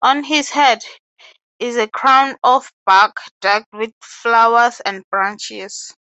On his head is a crown of bark decked with flowers and branches.